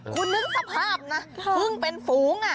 คุณนึกสภาพนะเพิ่งเป็นฝูง